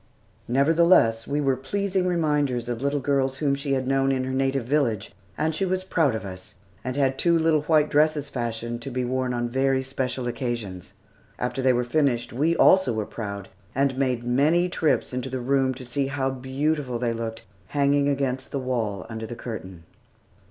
Nevertheless, we were pleasing reminders of little girls whom she had known in her native village, and she was proud of us, and had two little white dresses fashioned to be worn on very special occasions. After they were finished, we also were proud, and made many trips into the room to see how beautiful they looked hanging against the wall under the curtain.